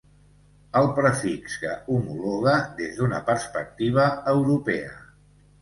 El prefix que homologa des d'una perspectiva europea.